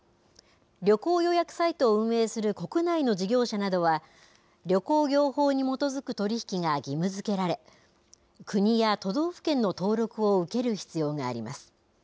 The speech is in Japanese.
旅行予約サイトを運営する国内の事業者などは、旅行業法に基づく取り引きが義務づけられ、国や都道府県の登録を受ける必要があります。